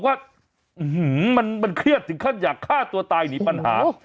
ว่ามันเครียดถึงขั้นอยากฆ่าตัวตายหนีปัญหา